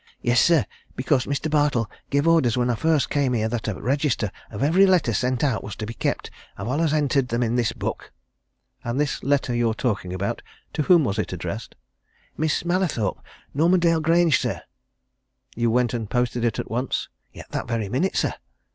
"Yes, sir because Mr. Bartle gave orders when I first came here that a register of every letter sent out was to be kept I've always entered them in this book." "And this letter you're talking about to whom was it addressed?" "Miss Mallathorpe, Normandale Grange, sir." "You went and posted it at once?" "That very minute, sir."